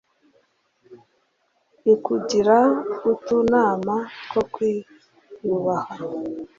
ikugira utunama two kwiyubaha